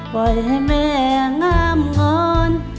ปล่อยให้แม่งามงอน